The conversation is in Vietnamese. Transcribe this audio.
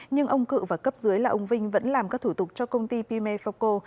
nhưng ông cự và cấp dưới là ông vinh vẫn làm các thủ tục cho công ty pimefaco